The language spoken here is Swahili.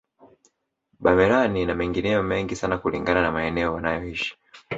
Bamerani na mengineyo mengi sana kulingana na maeneo wanayoishi